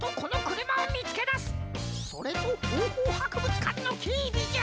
それとホーホーはくぶつかんのけいびじゃ！